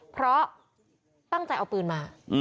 เพราะตั้งใจเอาปืนมา